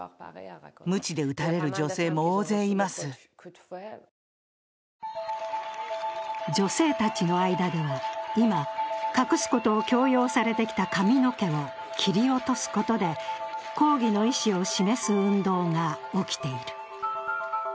女性たちの間では今、隠すことを強要されてきた髪の毛を切り落とすことで抗議の意思を示す運動が起きている。